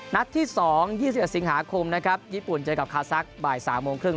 นัดที่๒๒๑สิงหาคมนะครับญี่ปุ่นเจอกับคาซักบ่าย๓โมงครึ่ง